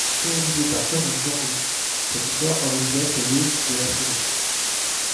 Réalisé par Tome et Janry, cette histoire aurait dû être le de la série.